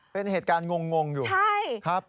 เป็นเหตุการณ์งงอยู่ใช่ครับ